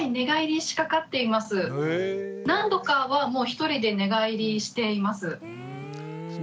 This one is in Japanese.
何度かはもう一人で寝返りしています。